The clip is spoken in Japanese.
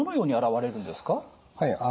はい。